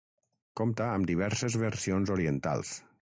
Compta amb diverses versions orientals.